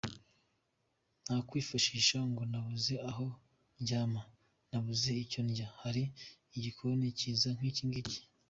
nta kwifashisha ngo nabuze aho ndyama, nabuze icyo ndya… hari igikoni kiza nk’ikingiki.